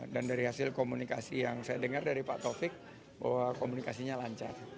dan dari hasil komunikasi yang saya dengar dari pak taufik bahwa komunikasinya lancar